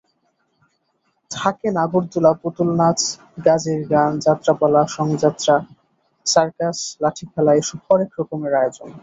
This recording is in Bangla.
থাকে নাগরদোলা, পুতুলনাচ, গাজির গান, যাত্রাপালা, সংযাত্রা, সার্কাস, লাঠিখেলা—এসব হরেক রকমের আয়োজন।